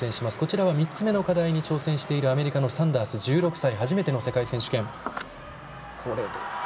こちらは３つ目の課題に挑戦しているアメリカのサンダース、１６歳。